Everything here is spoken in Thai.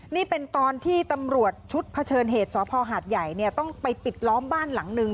นี่เป็นตอนที่ตำรวจชุดเผชิญเหตุสพหาดใหญ่ต้องไปปิดล้อมบ้านหลังนึง